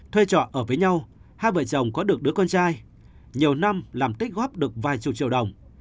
thuê trọ ở với nhau hai vợ chồng có được đứa con trai nhiều năm làm tích góp được vài chục triệu đồng